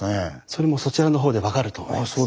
それもそちらのほうで分かると思います。